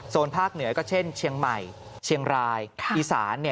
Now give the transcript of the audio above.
ภาคเหนือก็เช่นเชียงใหม่เชียงรายอีสาน